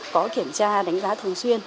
có kiểm tra đánh giá thường xuyên